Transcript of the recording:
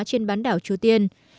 trên bán đảo triều tiên